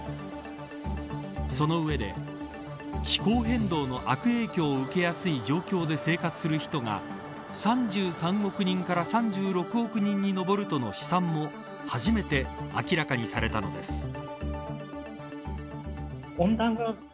その上で気候変動の悪影響を受けやすい状況で生活する人が３３億人から３６億人に上るとの試算も初めて明らかにされたのです。